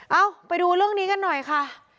ไปดูเรื่องนี้กันหน่อยค่ะ